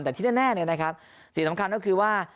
แต่ที่แน่สิ่งสำคัญก็คือว่า